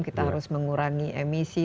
kita harus mengurangi emisi